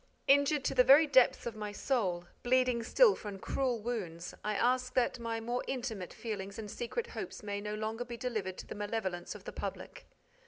Injured to the very depths of my soul, bleeding still from cruel wounds, I ask that my more intimate feelings and secret hopes may no longer be delivered to the malevolence of the public.